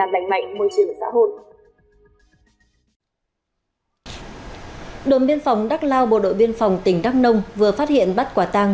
đồng biên phòng đắc lao bộ đội biên phòng tỉnh đắc nông vừa phát hiện bắt quả tang